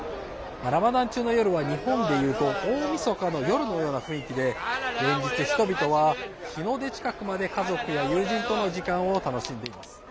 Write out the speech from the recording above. ラマダン中の夜は日本で言うと大みそかの夜のような雰囲気で連日、人々は日の出近くまで家族や友人との時間を楽しんでいます。